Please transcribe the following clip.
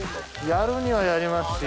やるにはやりますし。